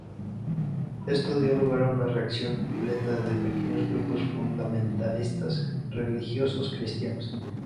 Esto dio lugar a una reacción violenta de pequeños grupos fundamentalistas religiosos cristianos.